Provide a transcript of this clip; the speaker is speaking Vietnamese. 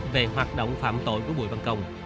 về hoạt động phạm tội của bùi văn công